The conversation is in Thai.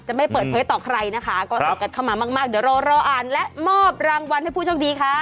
ไม่เปิดเผยต่อใครนะคะก็ส่งกันเข้ามามากเดี๋ยวเรารออ่านและมอบรางวัลให้ผู้โชคดีค่ะ